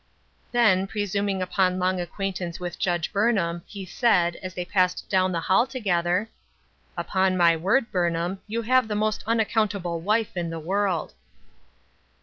Then, presuming upon long acquaintance with Judge Burnham, he said, as they passed down the hall together :" Upon my word, Burnham, you have the most unaccountable wife in the world."